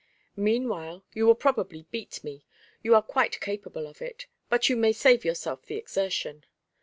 Meanwhile, you will probably beat me: you are quite capable of it; but you may save yourself the exertion."